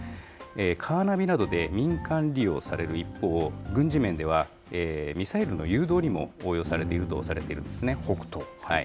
カーナビなどで民間利用される一方、軍事面ではミサイルの誘導にも応用されているとされているんです北斗。